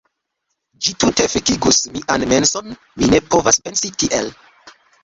Ĝi tute fekigus mian menson, mi ne povas pensi tiel.